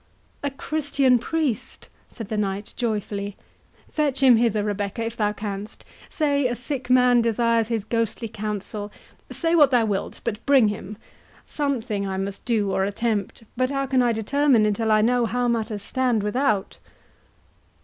"A Christian priest!" said the knight, joyfully; "fetch him hither, Rebecca, if thou canst—say a sick man desires his ghostly counsel—say what thou wilt, but bring him—something I must do or attempt, but how can I determine until I know how matters stand without?"